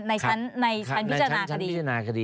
ในชั้นพิจารณาคดี